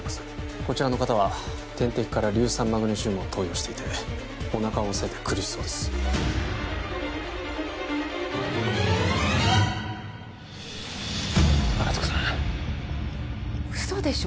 こちらの方は点滴から硫酸マグネシウムを投与していておなかを押さえて苦しそうです赤塚さん嘘でしょ？